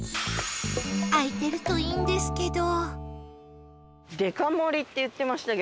開いてるといいんですけど